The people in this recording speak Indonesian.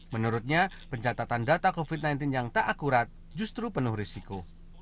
menurutnya pencatatan data covid sembilan belas yang tak akurat justru penuh risiko